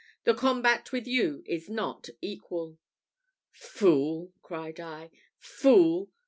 The combat with you is not equal." "Fool!" cried I, "fool!